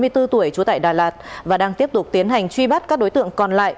hai mươi bốn tuổi trú tại đà lạt và đang tiếp tục tiến hành truy bắt các đối tượng còn lại